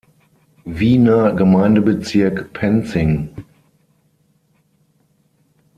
Wiener Gemeindebezirk Penzing.